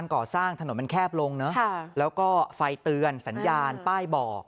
มันแคบลงเนอะค่ะแล้วก็ไฟเตือนสัญญาณป้ายบอก